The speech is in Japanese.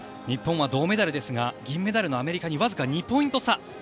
日本は銅メダルですが銀メダルのアメリカにわずか２ポイント差。